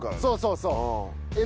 そうそうそう。